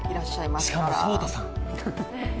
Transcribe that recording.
しかも草太さん。